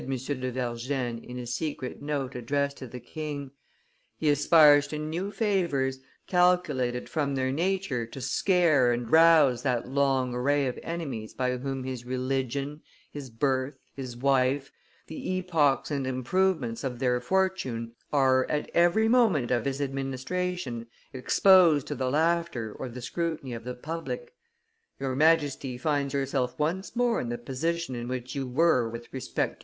de Vergennes in a secret Note addressed to the king; "he aspires to new favors, calculated from their nature to scare and rouse that long array of enemies by whom his religion, his birth, his wife, the epochs and improvements of their fortune, are, at every moment of his administration, exposed to the laughter or the scrutiny of the public. Your Majesty finds yourself once more in the position in which you were with respect to M.